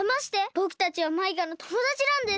ぼくたちはマイカのともだちなんです！